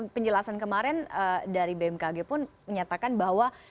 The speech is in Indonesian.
penjelasan kemarin dari bmkg pun menyatakan bahwa